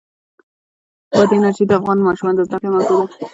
بادي انرژي د افغان ماشومانو د زده کړې موضوع ده.